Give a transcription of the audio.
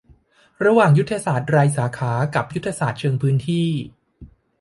ระหว่างยุทธศาสตร์รายสาขากับยุทธศาสตร์เชิงพื้นที่